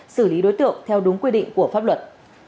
xử lý đối tượng theo đúng quy định của pháp luật